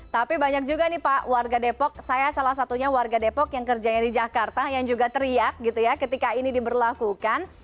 tapi banyak juga nih pak warga depok saya salah satunya warga depok yang kerjanya di jakarta yang juga teriak gitu ya ketika ini diberlakukan